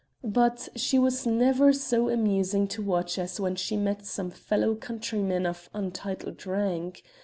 But she was never so amusing to watch as when she met some fellow countrymen of untitled rank.